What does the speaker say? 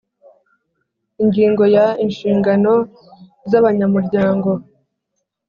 Ingingo ya inshingano z abanyamuryango